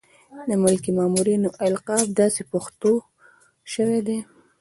د ملکي مامورینو القاب داسې پښتو شوي دي.